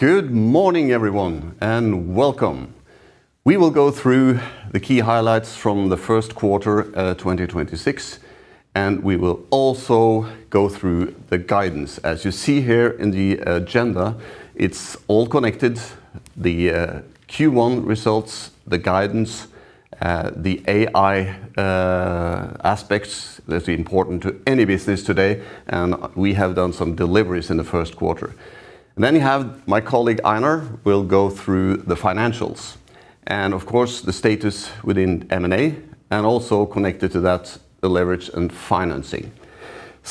Good morning, everyone, and welcome. We will go through the key highlights from the first quarter of 2026, and we will also go through the guidance. As you see here in the agenda, it's all connected, the Q1 results, the guidance, the AI, aspects that's important to any business today, and we have done some deliveries in the first quarter. You have my colleague, Einar, will go through the financials, and of course, the status within M&A, and also connected to that, the leverage and financing.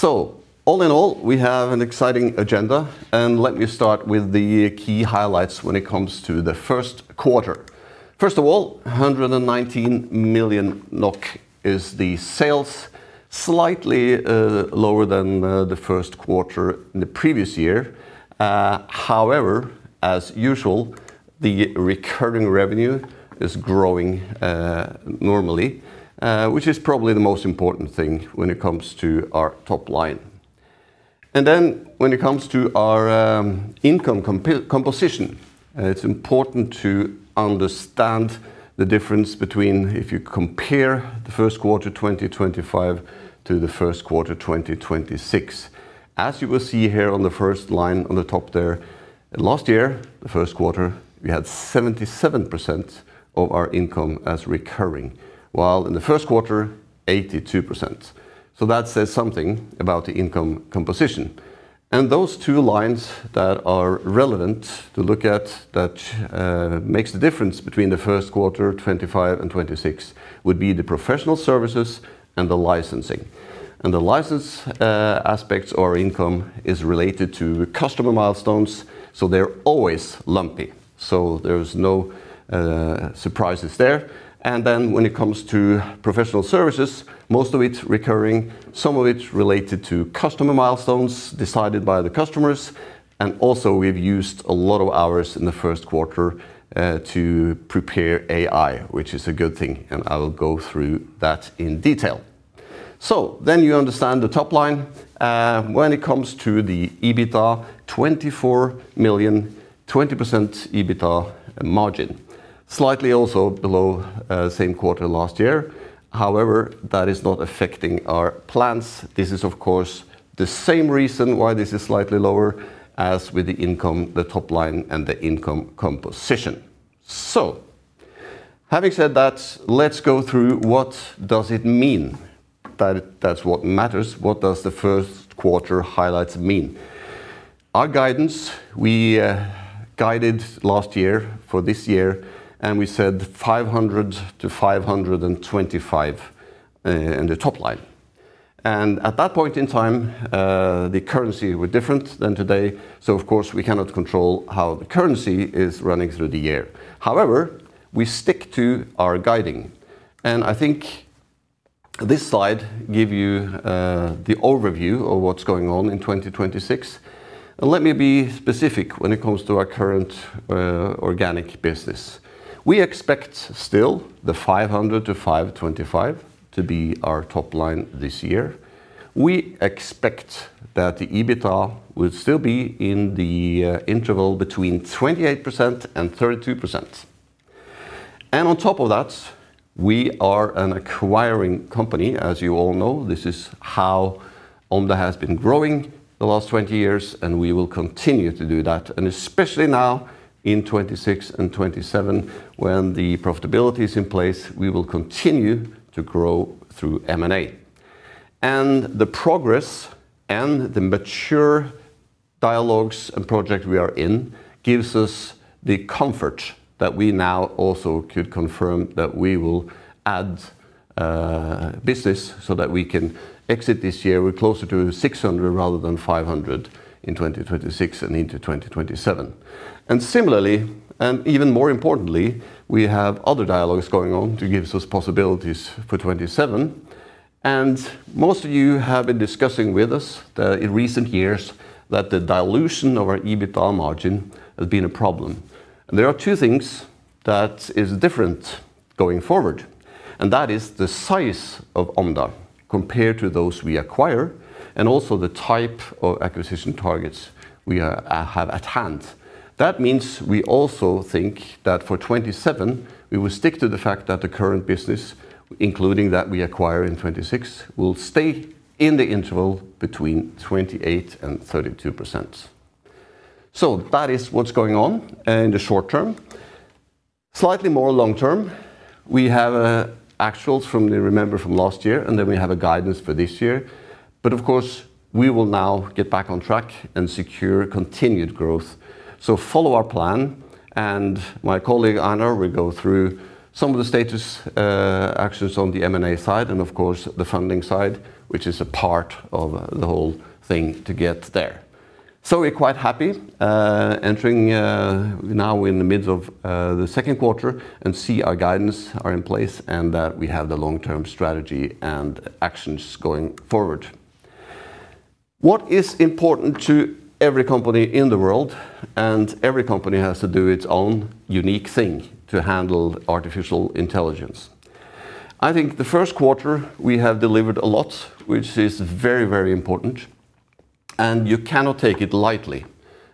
All in all, we have an exciting agenda, and let me start with the key highlights when it comes to the first quarter. First of all, 119 million NOK is the sales, slightly lower than the first quarter in the previous year. However, as usual, the recurring revenue is growing, normally, which is probably the most important thing when it comes to our top line. When it comes to our income composition, it's important to understand the difference between if you compare the first quarter 2025 to the first quarter 2026. As you will see here on the first line on the top there, last year, the first quarter, we had 77% of our income as recurring, while in the first quarter, 82%. That says something about the income composition. Those two lines that are relevant to look at that makes the difference between the first quarter 2025 and 2026 would be the professional services and the licensing. The license aspects or income is related to customer milestones, so they're always lumpy. There's no surprises there. When it comes to professional services, most of it's recurring, some of it's related to customer milestones decided by the customers. We've used a lot of hours in the first quarter, to prepare AI, which is a good thing, and I will go through that in detail. You understand the top line. When it comes to the EBITDA, 24 million, 20% EBITDA margin. Slightly also below same quarter last year. However, that is not affecting our plans. This is, of course, the same reason why this is slightly lower as with the income, the top line and the income composition. Having said that, let's go through what does it mean? That's what matters. What does the first quarter highlights mean? Our guidance, we guided last year for this year, we said 500 million-525 million, in the top line. At that point in time, the currency were different than today. Of course, we cannot control how the currency is running through the year. However, we stick to our guiding. I think this slide give you the overview of what's going on in 2026. Let me be specific when it comes to our current organic business. We expect still the 500 million-525 million to be our top line this year. We expect that the EBITDA will still be in the interval between 28% and 32%. On top of that, we are an acquiring company, as you all know. This is how Omda has been growing the last 20 years, and we will continue to do that. Especially now in 2026 and 2027, when the profitability is in place, we will continue to grow through M&A. The progress and the mature dialogues and project we are in gives us the comfort that we now also could confirm that we will add business so that we can exit this year with closer to 600 million rather than 500 million in 2026 and into 2027. Similarly, and even more importantly, we have other dialogues going on to give us possibilities for 2027. Most of you have been discussing with us in recent years that the dilution of our EBITDA margin has been a problem. There are two things that is different going forward, and that is the size of Omda compared to those we acquire, and also the type of acquisition targets we have at hand. That means we also think that for 2027, we will stick to the fact that the current business, including that we acquire in 2026, will stay in the interval between 28% and 32%. That is what's going on in the short term. Slightly more long term, we have actuals, remember from last year, we have a guidance for this year. Of course, we will now get back on track and secure continued growth. Follow our plan, and my colleague, Einar, will go through some of the status actions on the M&A side and of course, the funding side, which is a part of the whole thing to get there. We're quite happy, entering now in the midst of the second quarter and see our guidance are in place and that we have the long-term strategy and actions going forward. What is important to every company in the world, every company has to do its own unique thing to handle artificial intelligence. I think the first quarter we have delivered a lot, which is very important, you cannot take it lightly.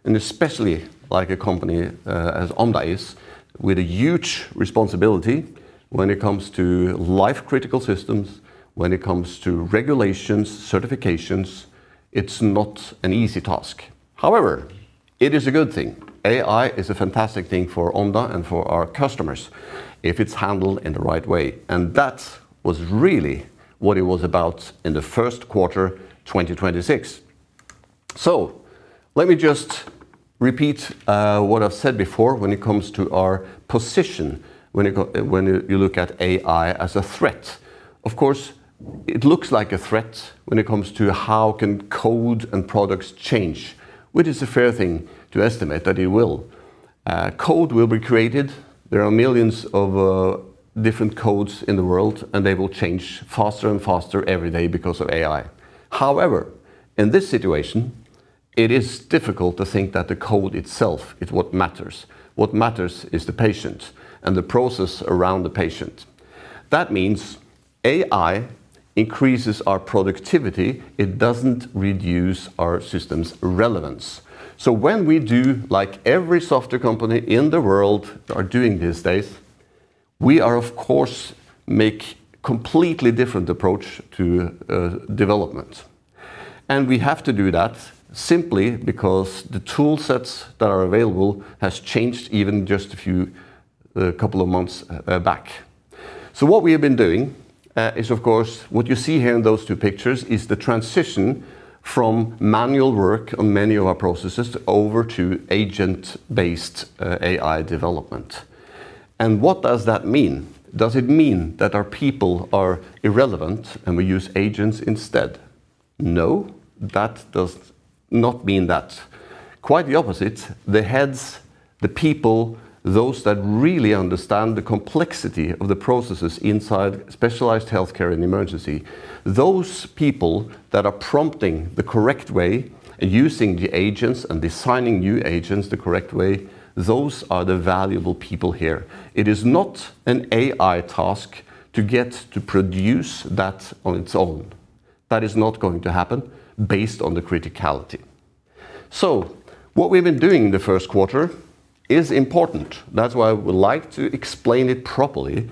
Especially like a company as Omda is, with a huge responsibility when it comes to life-critical systems, when it comes to regulations, certifications, it's not an easy task. However, it is a good thing. AI is a fantastic thing for Omda and for our customers if it's handled in the right way, that was really what it was about in the first quarter 2026. Let me just repeat what I've said before when it comes to our position when you look at AI as a threat. Of course, it looks like a threat when it comes to how can code and products change, which is a fair thing to estimate that it will. Code will be created. There are millions of different codes in the world, and they will change faster and faster every day because of AI. However, in this situation, it is difficult to think that the code itself is what matters. What matters is the patient and the process around the patient. That means AI increases our productivity. It doesn't reduce our system's relevance. When we do, like every software company in the world are doing these days, we are of course, make completely different approach to development. We have to do that simply because the tool sets that are available has changed even just a few couple of months back. What we have been doing is, of course, what you see here in those two pictures is the transition from manual work on many of our processes over to agent-based AI development. What does that mean? Does it mean that our people are irrelevant and we use agents instead? No, that does not mean that. Quite the opposite. The heads, the people, those that really understand the complexity of the processes inside specialized healthcare and emergency, those people that are prompting the correct way, using the agents and designing new agents the correct way, those are the valuable people here. It is not an AI task to get to produce that on its own. That is not going to happen based on the criticality. What we've been doing in the first quarter is important. That's why I would like to explain it properly.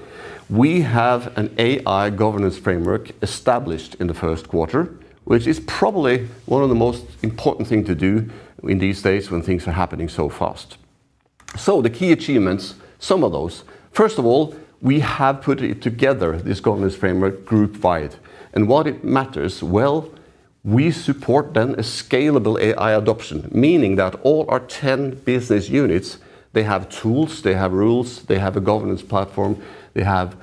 We have an AI governance framework established in the first quarter, which is probably one of the most important thing to do in these days when things are happening so fast. The key achievements, some of those, first of all, we have put it together, this governance framework group-wide. Why it matters? Well, we support then a scalable AI adoption, meaning that all our 10 business units, they have tools, they have rules, they have a governance platform, they have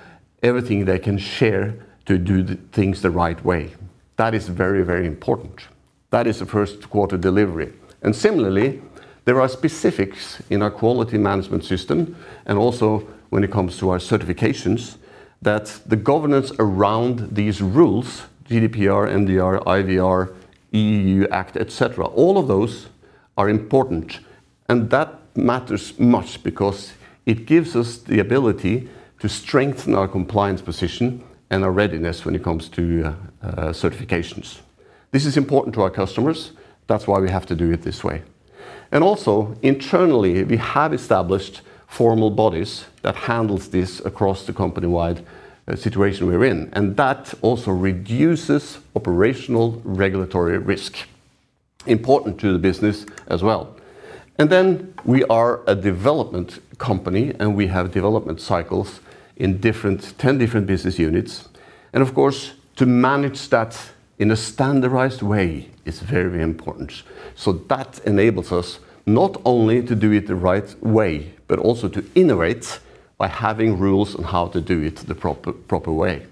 everything they can share to do the things the right way. That is very important. That is a first-quarter delivery. Similarly, there are specifics in our quality management system, and also when it comes to our certifications, that the governance around these rules, GDPR, MDR, IVDR, EU Act, et cetera, all of those are important. That matters much because it gives us the ability to strengthen our compliance position and our readiness when it comes to certifications. This is important to our customers. That's why we have to do it this way. Also, internally, we have established formal bodies that handles this across the company-wide situation we're in, and that also reduces operational regulatory risk important to the business as well. Then we are a development company, and we have development cycles in 10 different business units. Of course, to manage that in a standardized way is very important. That enables us not only to do it the right way but also to innovate by having rules on how to do it the proper way.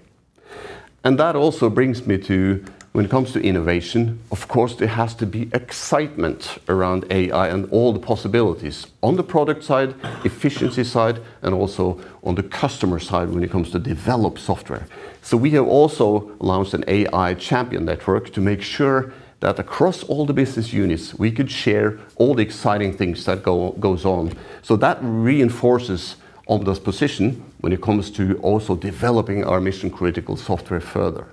That also brings me to when it comes to innovation, of course, there has to be excitement around AI and all the possibilities on the product side, efficiency side, and also on the customer side when it comes to develop software. We have also launched an AI champion network to make sure that across all the business units, we could share all the exciting things that goes on. That reinforces all those position when it comes to also developing our mission-critical software further.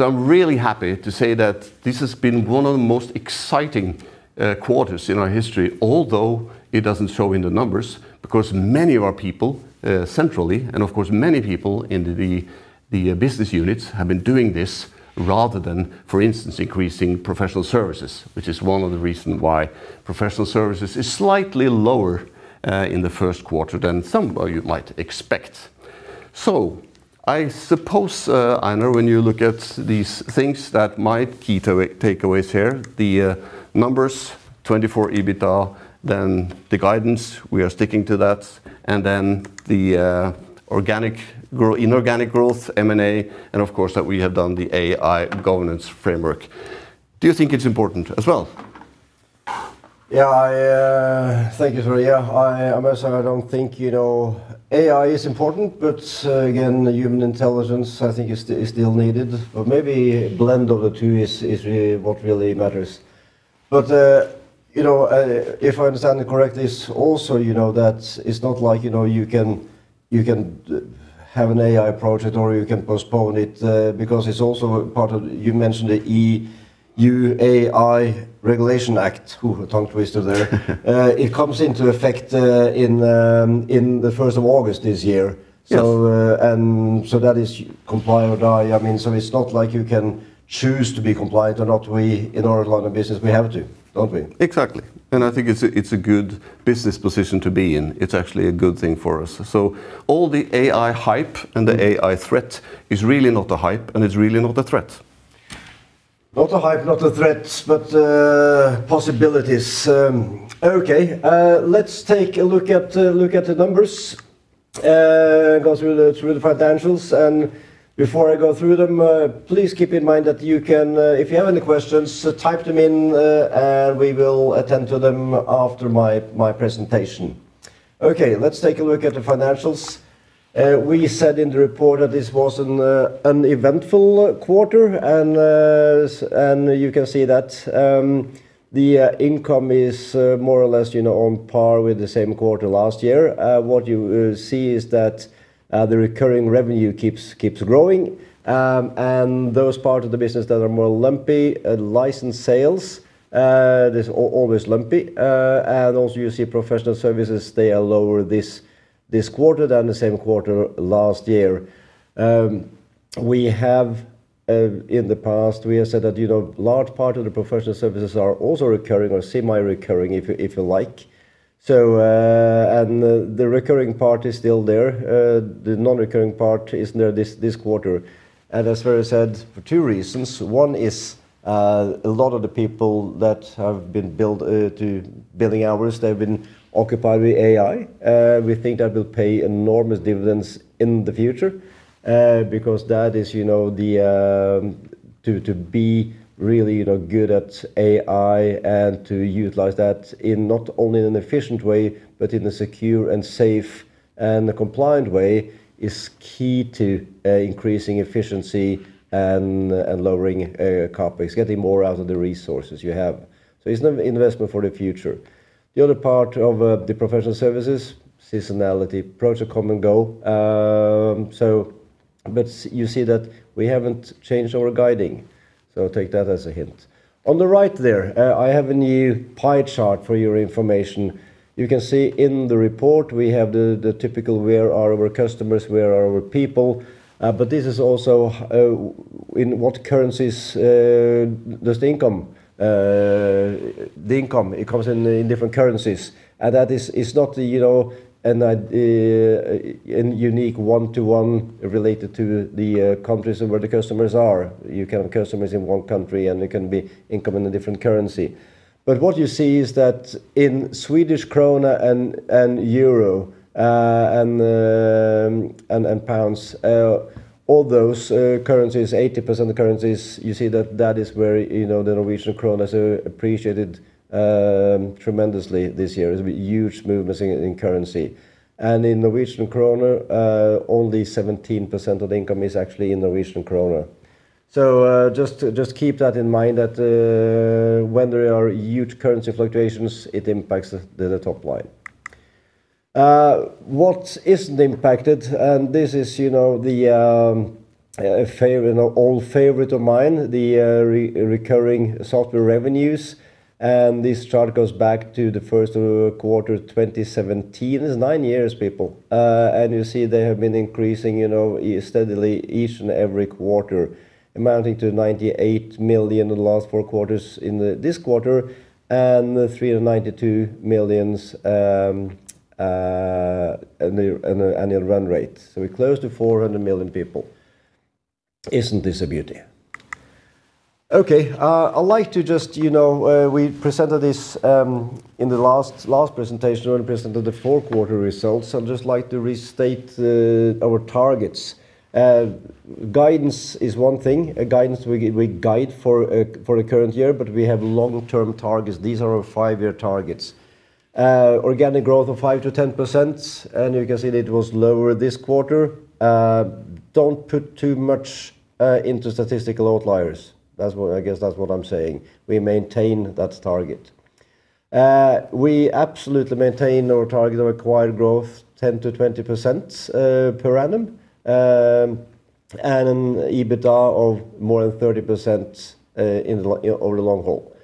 I'm really happy to say that this has been one of the most exciting quarters in our history, although it doesn't show in the numbers because many of our people, centrally, and of course, many people in the business units have been doing this rather than, for instance, increasing professional services, which is one of the reason why professional services is slightly lower in the first quarter than some you might expect. I suppose, Einar, when you look at these things that might key takeaways here, the numbers 24 million EBITDA, then the guidance, we are sticking to that, and then the inorganic growth, M&A, and of course, that we have done the AI governance framework. Do you think it's important as well? Yeah. Thank you, Sverre. Yeah. I must say, I don't think AI is important, but again, human intelligence, I think is still needed. Maybe a blend of the two is what really matters. If I understand it correctly, it's not like you can have an AI project or you can postpone it, because it's also part of, you mentioned the EU AI Act. A tongue twister there. It comes into effect in the 1st of August this year. Yes. That is comply or die. It's not like you can choose to be compliant or not. We, in our line of business, we have to, don't we? Exactly. I think it's a good business position to be in. It's actually a good thing for us. All the AI hype and the AI threat is really not a hype and is really not a threat. Not a hype, not a threat, but possibilities. Okay. Let's take a look at the numbers, go through the financials. Before I go through them, please keep in mind that if you have any questions, type them in, and we will attend to them after my presentation. Okay. Let's take a look at the financials. We said in the report that this was an eventful quarter. You can see that the income is more or less on par with the same quarter last year. What you see is that the recurring revenue keeps growing. Those parts of the business that are more lumpy, license sales, is always lumpy. Also, you see professional services, they are lower this quarter than the same quarter last year. In the past, we have said that large part of the professional services are also recurring or semi-recurring, if you like. The recurring part is still there. The non-recurring part is there this quarter. As Sverre said, for two reasons, one is, a lot of the people that have been billed to billing hours, they've been occupied with AI. We think that will pay enormous dividends in the future, because to be really good at AI and to utilize that in not only in an efficient way, but in a secure and safe and a compliant way, is key to increasing efficiency and lowering CapEx, getting more out of the resources you have. It's an investment for the future. The other part of the professional services, seasonality, projects come and go. You see that we haven't changed our guiding, so take that as a hint. On the right there, I have a new pie chart for your information. You can see in the report, we have the typical where are our customers, where are our people, but this is also in what currencies does the income. The income, it comes in different currencies. That is not a unique one-to-one related to the countries where the customers are. You can have customers in one country, and it can be income in a different currency. What you see is that in Swedish krona and euro, and pounds, all those currencies, 80% of the currencies, you see that that is where the Norwegian kroner appreciated tremendously this year. There's been huge movements in currency. In Norwegian kroner, only 17% of the income is actually in Norwegian kroner. Just keep that in mind that when there are huge currency fluctuations, it impacts the top line. What isn't impacted. This is an old favorite of mine, the recurring software revenues. This chart goes back to the first quarter of 2017. It's nine years, people. You see they have been increasing steadily each and every quarter, amounting to 98 million in the last four quarters in this quarter and 392 million in the annual run rate. We're close to 400 million, people. Isn't this a beauty? Okay. We presented this in the last presentation when we presented the fourth quarter results. I'd just like to restate our targets. Guidance is one thing. A guidance we guide for a current year. We have long-term targets. These are our five-year targets. Organic growth of 5%-10%. You can see that it was lower this quarter. Don't put too much into statistical outliers. I guess that's what I'm saying. We maintain that target. We absolutely maintain our target of acquired growth 10%-20% per annum, and an EBITDA of more than 30% over the long haul.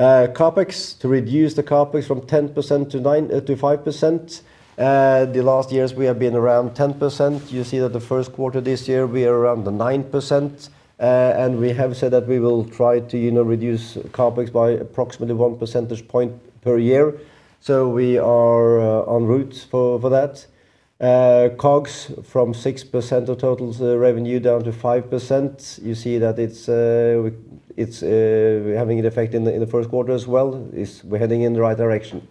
CapEx, to reduce the CapEx from 10%-5%. The last years we have been around 10%. You see that the first quarter this year, we are around the 9%, and we have said that we will try to reduce CapEx by approximately 1 percentage point per year. We are on route for that. COGS from 6% of total revenue down to 5%. You see that it's having an effect in the first quarter as well, we're heading in the right direction.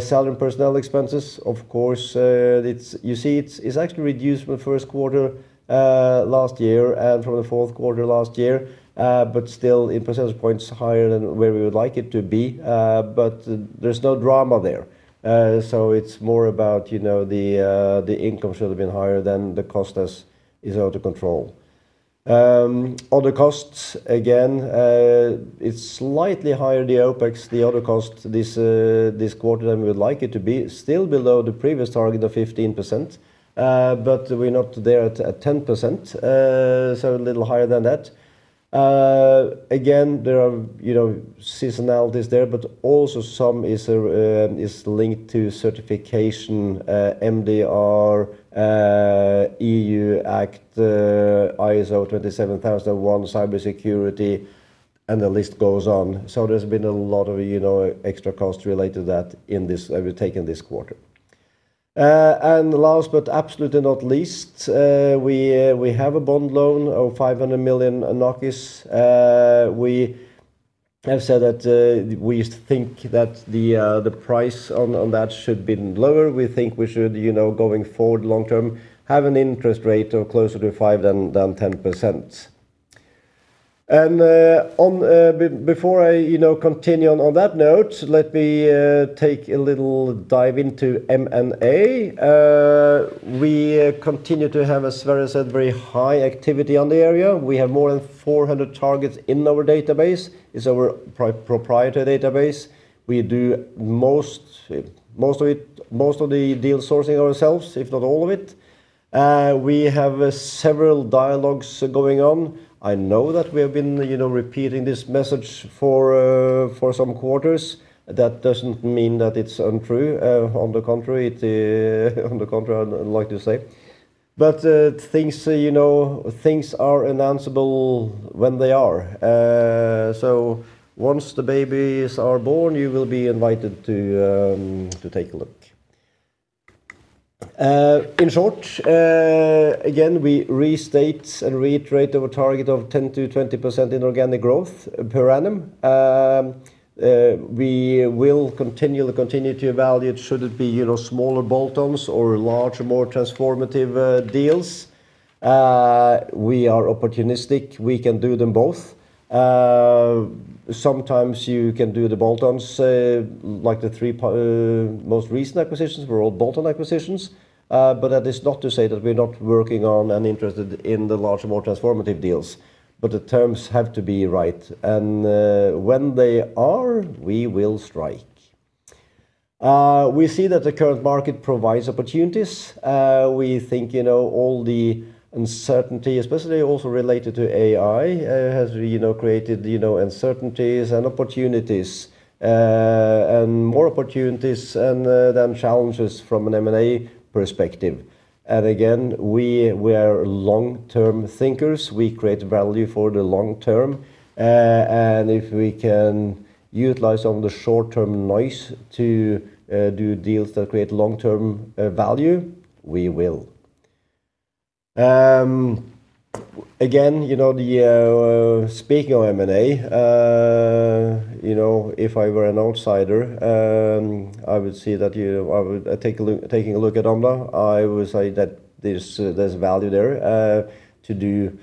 Salary and personnel expenses, of course, you see it's actually reduced from first quarter last year and from the fourth quarter last year, but still [8] percentage points higher than where we would like it to be. There's no drama there. It's more about the income should have been higher, then the cost is out of control. Other costs, again, it's slightly higher, the OpEx, the other cost this quarter than we would like it to be. Still below the previous target of 15%, but we're not there at 10%, so a little higher than that. There are seasonalities there, but also some is linked to certification, MDR, EU Act, ISO 27001, cybersecurity, and the list goes on. There's been a lot of extra costs related to that we've taken this quarter. Last, but absolutely not least, we have a bond loan of 500 million. We have said that we think that the price on that should been lower. We think we should, going forward long-term, have an interest rate of closer to 5% than 10%. Before I continue on that note, let me take a little dive into M&A. We continue to have, as Sverre said, very high activity on the area. We have more than 400 targets in our database. It's our proprietary database. We do most of the deal sourcing ourselves, if not all of it. We have several dialogues going on. I know that we have been repeating this message for some quarters. That doesn't mean that it's untrue. On the contrary, I'd like to say. Things are announceable when they are. Once the babies are born, you will be invited to take a look. In short, again, we restate and reiterate our target of 10%-20% inorganic growth per annum. We will continually continue to evaluate should it be smaller bolt-ons or larger, more transformative deals. We are opportunistic. We can do them both. Sometimes you can do the bolt-ons, like the three most recent acquisitions were all bolt-on acquisitions. That is not to say that we're not working on and interested in the larger, more transformative deals, but the terms have to be right, and when they are, we will strike. We see that the current market provides opportunities. We think all the uncertainty, especially also related to AI, has created uncertainties and opportunities, and more opportunities than challenges from an M&A perspective. Again, we are long-term thinkers. We create value for the long term. If we can utilize some of the short-term noise to do deals that create long-term value, we will. Again, speaking of M&A, if I were an outsider, taking a look at Omda, I would say that there's value there to do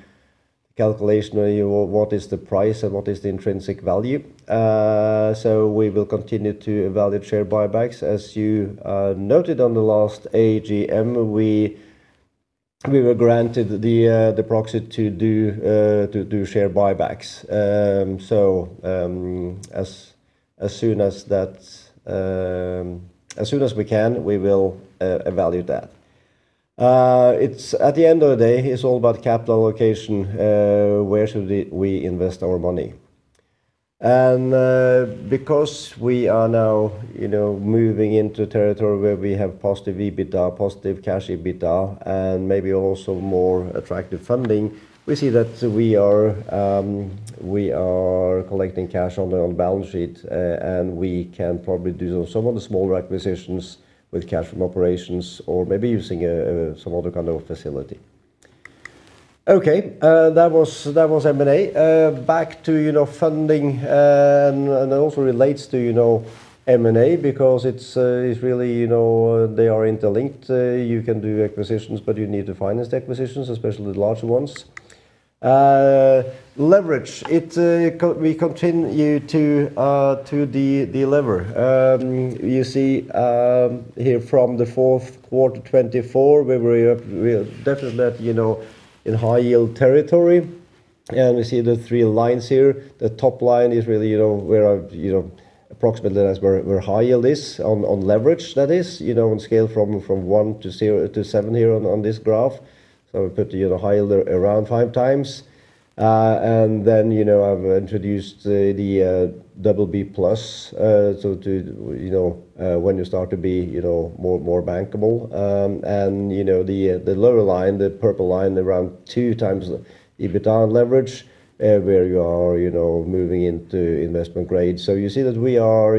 calculation on what is the price and what is the intrinsic value. We will continue to evaluate share buybacks. As you noted on the last AGM, we were granted the proxy to do share buybacks. As soon as we can, we will evaluate that. At the end of the day, it's all about capital allocation, where should we invest our money? Because we are now moving into territory where we have positive EBITDA, positive cash EBITDA, and maybe also more attractive funding, we see that we are collecting cash on the balance sheet, and we can probably do some of the smaller acquisitions with cash from operations or maybe using some other kind of facility. Okay. That was M&A. Back to funding, and it also relates to M&A because they are interlinked. You can do acquisitions, but you need to finance the acquisitions, especially the larger ones. Leverage. We continue to delever. You see here from the fourth quarter 2024, we were definitely in high-yield territory. We see the three lines here. The top line is really where approximately where high yield is on leverage, that is, on scale from one to seven here on this graph. We put the high yield around 5x. Then, I've introduced the BB+, when you start to be more bankable. The lower line, the purple line, around 2x the EBITDA on leverage, where you are moving into investment grade. You see that we are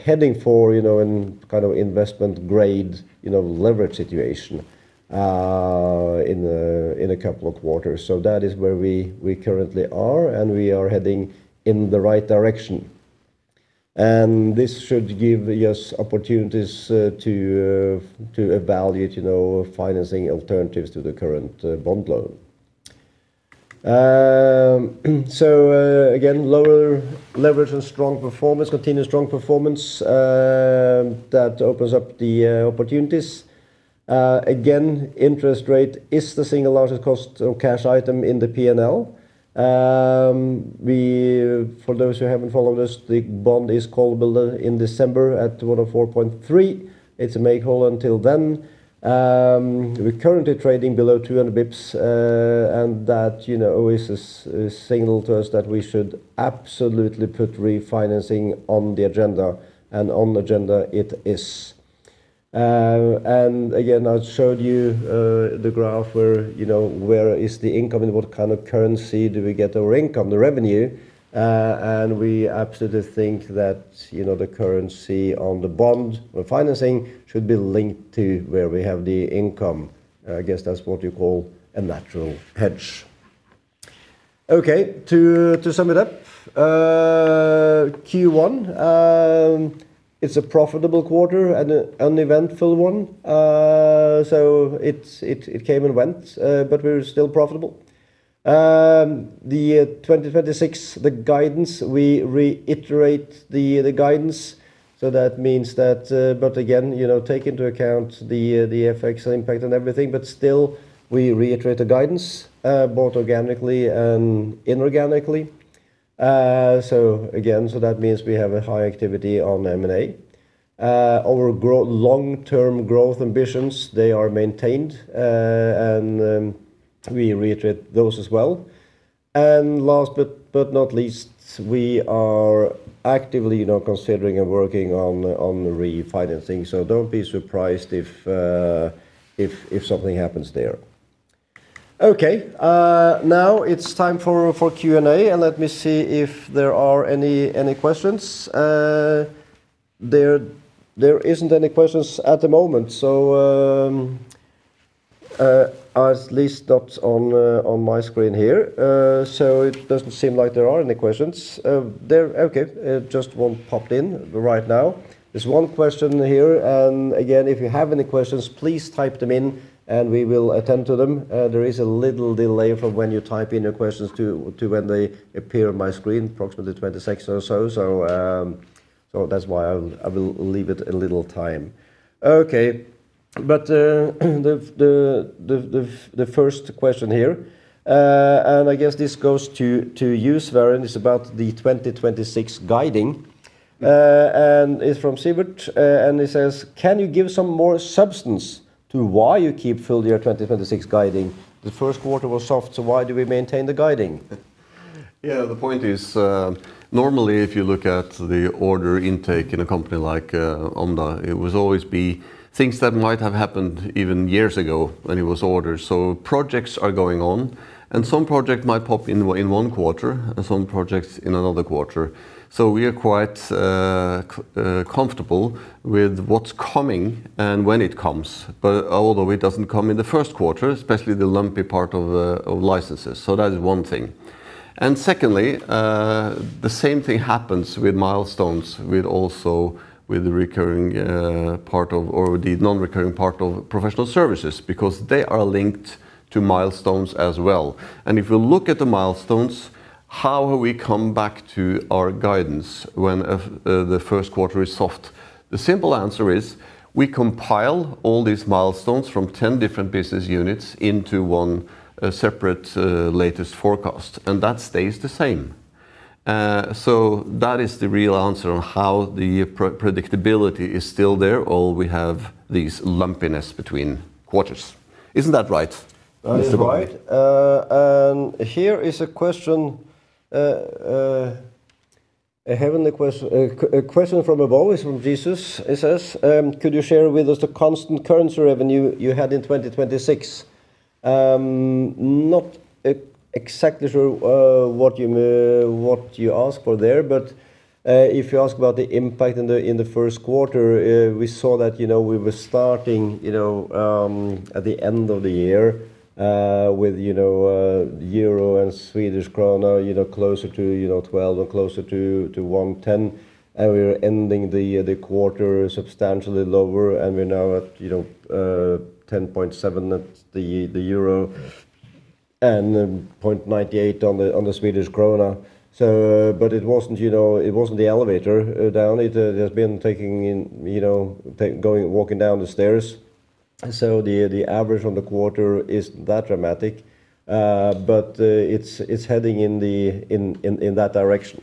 heading for an investment-grade leverage situation in a couple of quarters. That is where we currently are, and we are heading in the right direction. This should give us opportunities to evaluate financing alternatives to the current bond loan. Again, lower leverage and strong performance, continued strong performance that opens up the opportunities. Again, interest rate is the single largest cost of cash item in the P&L. For those who haven't followed us, the bond is callable in December at 104.3%. It's made whole until then. We're currently trading below 200 basis points, and that always is a signal to us that we should absolutely put refinancing on the agenda, and on the agenda it is. Again, I showed you the graph where is the income and what kind of currency do we get our income, the revenue, and we absolutely think that the currency on the bond, the financing should be linked to where we have the income. I guess that's what you call a natural hedge. Okay. To sum it up. Q1, it's a profitable quarter and an uneventful one. It came and went, but we're still profitable. The 2026, the guidance, we reiterate the guidance. That means, but again, take into account the effects and impact on everything, but still, we reiterate the guidance, both organically and inorganically. Again, that means we have a high activity on M&A. Our long-term growth ambitions, they are maintained, and we reiterate those as well. Last but not least, we are actively considering and working on refinancing. Don't be surprised if something happens there. Okay. Now it's time for Q&A, let me see if there are any questions. There isn't any questions at the moment. At least not on my screen here. It doesn't seem like there are any questions. Okay, just one popped in right now. There's one question here. Again, if you have any questions, please type them in and we will attend to them. There is a little delay from when you type in your questions to when they appear on my screen, approximately 20 seconds or so. That's why I will leave it a little time. Okay. The first question here, I guess this goes to you, Sverre. It's about the 2026 guiding. It's from [Siebert]. He says, "Can you give some more substance to why you keep full year 2026 guiding? The first quarter was soft. Why do we maintain the guiding? Yeah, the point is, normally, if you look at the order intake in a company like Omda, it would always be things that might have happened even years ago when it was ordered. Projects are going on, and some project might pop in one quarter and some projects in another quarter. We are quite comfortable with what's coming and when it comes, but although it doesn't come in the first quarter, especially the lumpy part of licenses. That is one thing. Secondly, the same thing happens with milestones, with also with the recurring part of, or the non-recurring part of professional services because they are linked to milestones as well. If you look at the milestones, how we come back to our guidance when the first quarter is soft? The simple answer is we compile all these milestones from 10 different business units into one separate latest forecast, and that stays the same. That is the real answer on how the predictability is still there, or we have these lumpiness between quarters. Isn't that right, Mr. [Bonn]? That is right. Here is a question from [Novartis] from [Jesús]. It says, could you share with us the constant currency revenue you had in 2026? Not exactly sure what you asked for there, but if you ask about the impact in the first quarter, we saw that we were starting at the end of the year with euro and Swedish krona closer to 12 and closer to 1.10. And we were ending the quarter substantially lower, and we're now at 10.7 at the euro. And 0.98 on the Swedish krona. So, but it wasn't, you know, it wasn't the elevator down. It has been taking, you know, going, walking down the stairs. So the average on the quarter is that dramatic, but it's heading in that direction.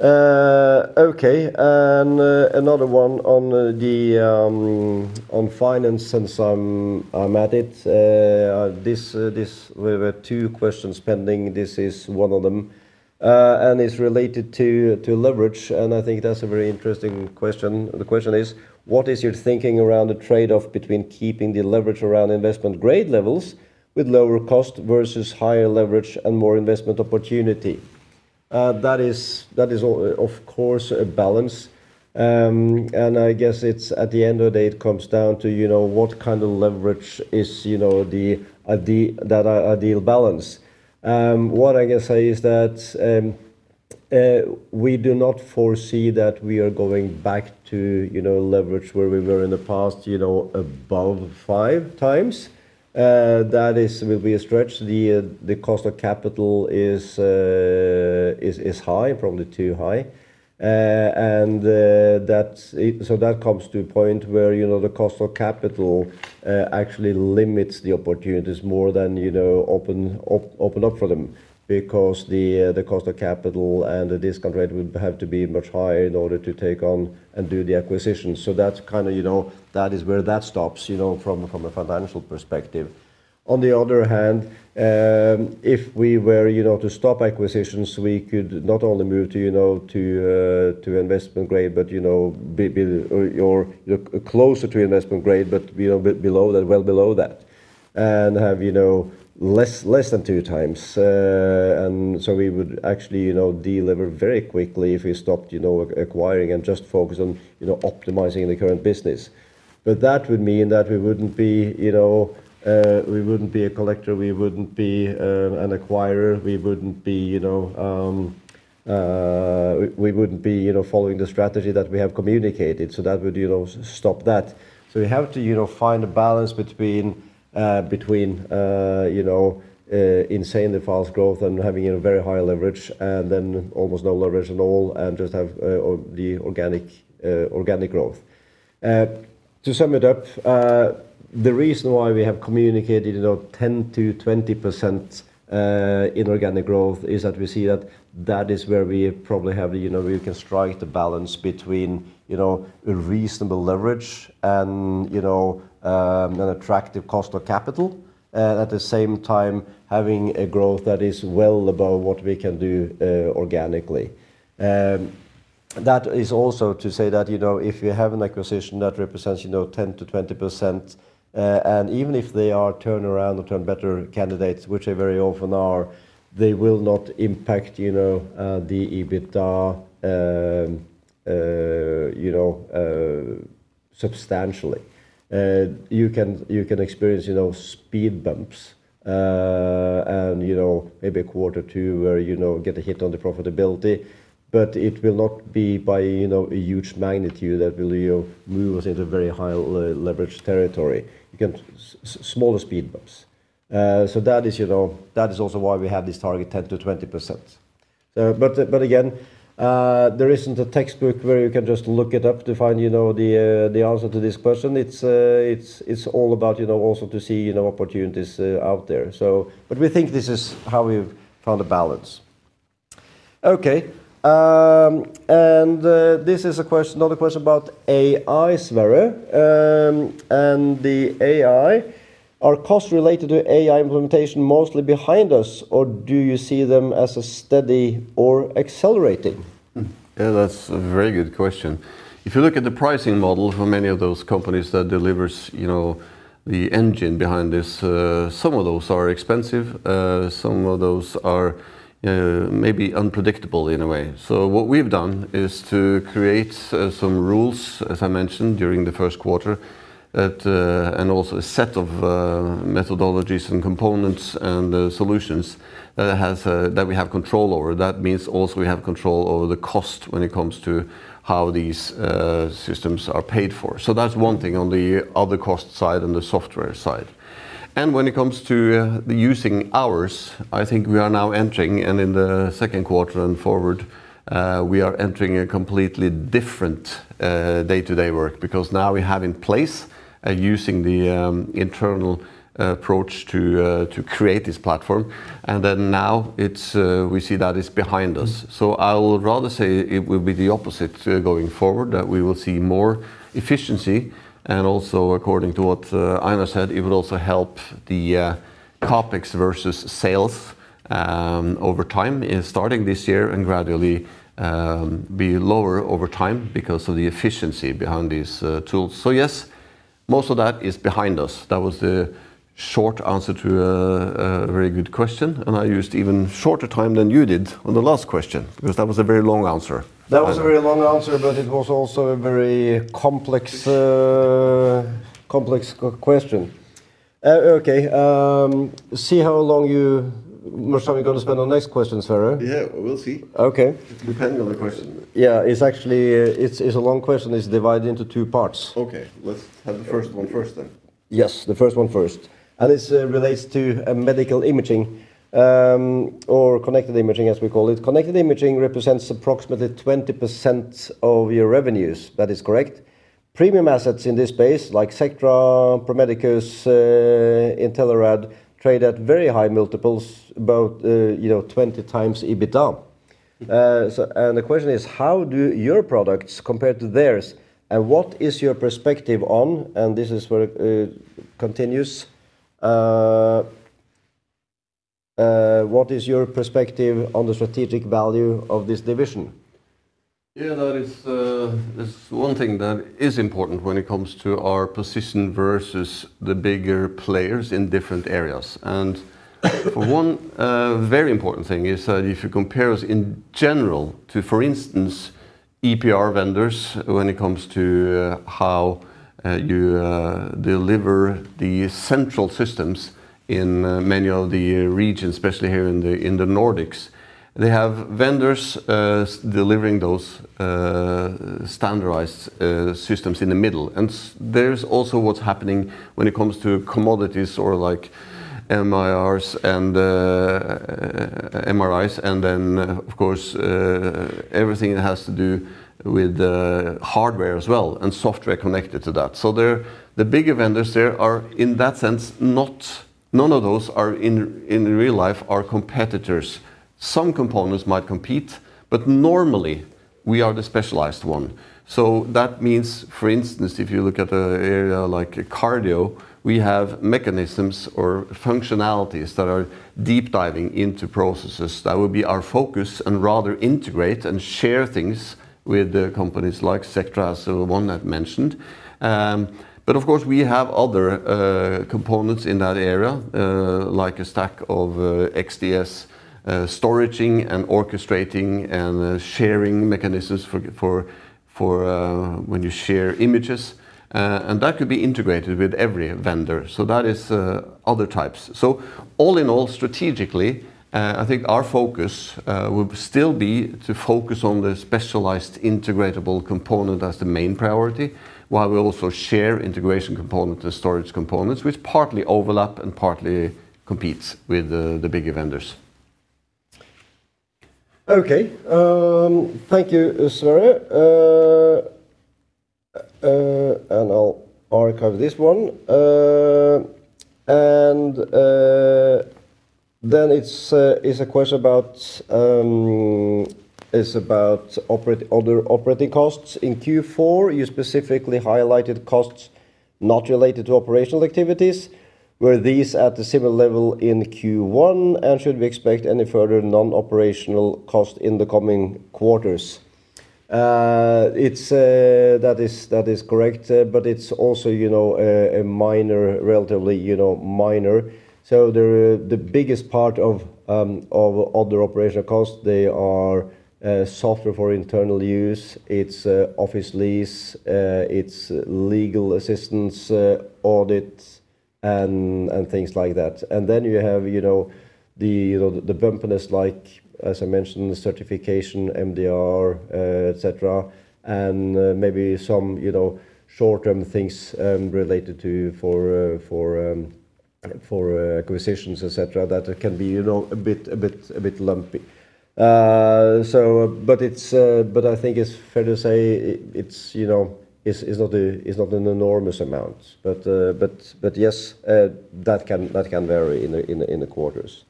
Okay. And another one on finance since I'm at it. We have two questions pending. This is one of them. And it's related to leverage. And I think that's a very interesting question. The question is, what is your thinking around the trade-off between keeping the leverage around investment grade levels with lower cost versus higher leverage and more investment opportunity? That is, of course, a balance. And I guess it's at the end of the day, it comes down to, you know, what kind of leverage is, you know, that ideal balance. What I can say is that we do not foresee that we are going back to leverage where we were in the past, above 5x. That will be a stretch. The cost of capital is high, probably too high. That comes to a point where the cost of capital actually limits the opportunities more than opening them up because the cost of capital and the discount rate would have to be much higher in order to take on and do the acquisition. That is where that stops from a financial perspective. On the other hand, if we were to stop acquisitions, we could not only move to investment grade, or closer to investment grade, but well below that, and have less than 2x. We would actually de-leverage very quickly if we stopped acquiring and just focus on optimizing the current business. That would mean that we wouldn't be a collector, we wouldn't be an acquirer. We wouldn't be following the strategy that we have communicated. That would stop that. We have to find a balance between insanely fast growth and having a very high leverage and then almost no leverage at all and just have the organic growth. To sum it up, the reason why we have communicated 10%-20% inorganic growth is that we see that that is where we can strike the balance between reasonable leverage and an attractive cost of capital, at the same time having a growth that is well above what we can do organically. That is also to say that if you have an acquisition that represents 10%-20%, and even if they are turnaround or turn better candidates, which they very often are, they will not impact the EBITDA substantially. You can experience speed bumps, and maybe quarter two where you get a hit on the profitability, but it will not be by a huge magnitude that will move us into very high leverage territory. You get smaller speed bumps. That is also why we have this target 10%-20%. Again, there isn't a textbook where you can just look it up to find the answer to this question. It's all about also to see opportunities out there. We think this is how we've found a balance. Okay. This is another question about AI, Sverre. The AI, are costs related to AI implementation mostly behind us, or do you see them as steady or accelerating? Yeah, that's a very good question. If you look at the pricing model for many of those companies that delivers the engine behind this, some of those are expensive, some of those are maybe unpredictable in a way. What we've done is to create some rules, as I mentioned during the first quarter, and also a set of methodologies and components and solutions that we have control over. That means also we have control over the cost when it comes to how these systems are paid for. That's one thing on the other cost side and the software side. When it comes to the using hours, I think we are now entering, and in the second quarter and forward, we are entering a completely different day-to-day work because now we have in place using the internal approach to create this platform. Now we see that it's behind us. I would rather say it will be the opposite going forward, that we will see more efficiency, and also according to what Einar said, it will also help the CapEx versus sales over time, starting this year and gradually be lower over time because of the efficiency behind these tools. Yes, most of that is behind us. That was the short answer to a very good question, and I used even shorter time than you did on the last question because that was a very long answer. That was a very long answer, but it was also a very complex question. Okay. See how much time you're going to spend on next question, Sverre. Yeah, we'll see. Okay. Depending on the question. Yeah, it's a long question. It's divided into two parts. Okay, let's have the first one first then. Yes, the first one first. This relates to medical imaging, or Connected Imaging, as we call it. Connected Imaging represents approximately 20% of your revenues. That is correct. Premium assets in this space, like Sectra, Pro Medicus, Intelerad, trade at very high multiples, about 20x EBITDA. The question is, how do your products compare to theirs, and what is your perspective on the strategic value of this division? That is one thing that is important when it comes to our position versus the bigger players in different areas. One very important thing is that if you compare us in general to, for instance, EPR vendors when it comes to how you deliver the central systems in many of the regions, especially here in the Nordics. They have vendors delivering those standardized systems in the middle. There's also what's happening when it comes to commodities or MIRs and MRIs and then, of course, everything that has to do with the hardware as well, and software connected to that. The bigger vendors there are, in that sense, none of those in real life are competitors. Some components might compete, but normally we are the specialized one. That means, for instance, if you look at an area like cardio, we have mechanisms or functionalities that are deep diving into processes. That would be our focus rather than integrating and share things with companies like Sectra, so the one that I mentioned. Of course, we have other components in that area, like a stack of XDS storage and orchestrating and sharing mechanisms for when you share images. That could be integrated with every vendor. That is other types. All in all, strategically, I think our focus will still be to focus on the specialized integratable component as the main priority, while we also share integration component and storage components, which partly overlap and partly competes with the bigger vendors. Okay. Thank you, Sverre. I'll archive this one. It's a question about other operating costs. In Q4, you specifically highlighted costs not related to operational activities. Were these at a similar level in Q1, and should we expect any further non-operational cost in the coming quarters? That is correct, it's also relatively minor. The biggest part of other operational costs, they are software for internal use. It's office lease, it's legal assistance, audits, and things like that. You have the bumpiness like, as I mentioned, certification, MDR, et cetera, and maybe some short-term things related to acquisitions, et cetera, that can be a bit lumpy. I think it's fair to say it's not an enormous amount. Yes, that can vary in the quarters.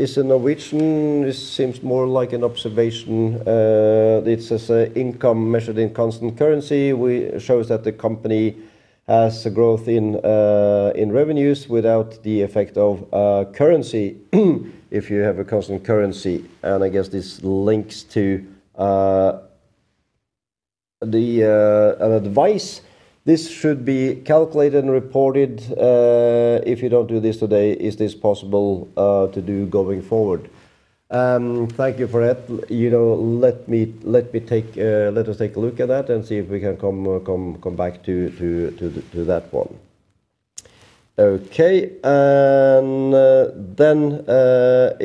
It's a Norwegian, this seems more like an observation. It says, "Income measured in constant currency shows that the company has a growth in revenues without the effect of currency if you have a constant currency." I guess this links to an advice. "This should be calculated and reported. If you don't do this today, is this possible to do going forward?" Thank you for that. Let us take a look at that and see if we can come back to that one. Okay.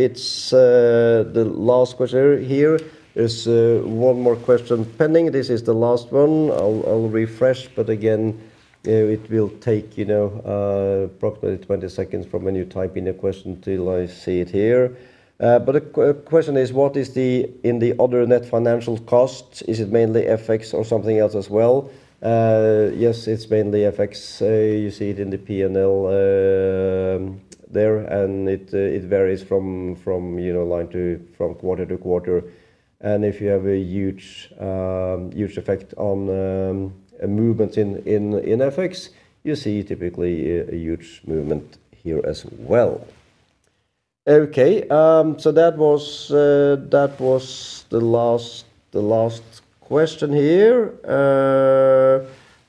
It's the last question here. There's one more question pending. This is the last one. I'll refresh, but again, it will take approximately 20 seconds from when you type in a question till I see it here. The question is, what is in the other net financial costs? Is it mainly FX or something else as well? Yes, it's mainly FX. You see it in the P&L there, and it varies from quarter to quarter. If you have a huge effect on movements in FX, you see typically a huge movement here as well. Okay. That was the last question here.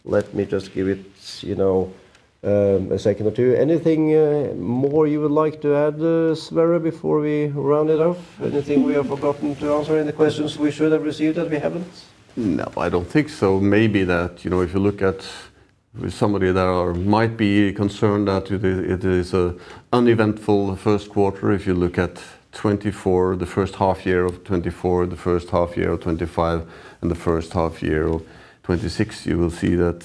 Let me just give it a second or two. Anything more you would like to add, Sverre, before we round it off? Anything we have forgotten to answer? Any questions we should have received that we haven't? No, I don't think so. Maybe that if you look at somebody that might be concerned that it is an uneventful first quarter, if you look at the first half year of 2024, the first half year of 2025, and the first half year of 2026, you will see that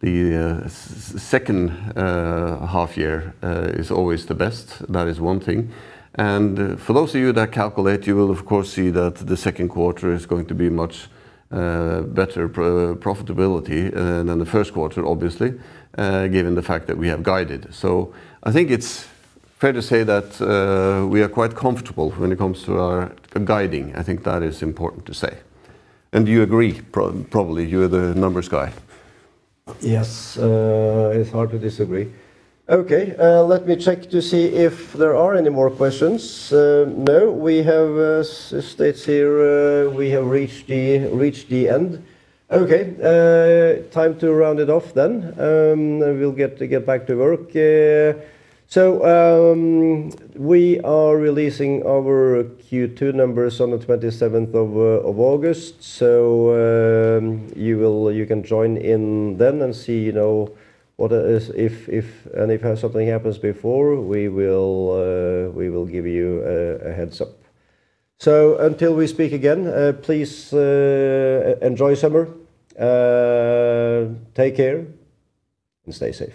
the second half year is always the best. That is one thing. For those of you that calculate, you will of course see that the second quarter is going to be much better profitability than the first quarter, obviously, given the fact that we have guided. I think it's fair to say that we are quite comfortable when it comes to our guiding. I think that is important to say. You agree, probably. You are the numbers guy. Yes. It's hard to disagree. Okay. Let me check to see if there are any more questions. No, it states here we have reached the end. Okay. Time to round it off then. We'll get back to work. We are releasing our Q2 numbers on the 27th of August. You can join in then and see. If something happens before, we will give you a heads-up. Until we speak again, please enjoy summer. Take care and stay safe.